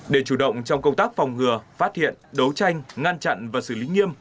để chủ động trong công tác phòng ngừa phát hiện đấu tranh ngăn chặn và xử lý nghiêm